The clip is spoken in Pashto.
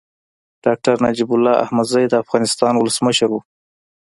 ډاکټر نجيب الله احمدزی د افغانستان ولسمشر و.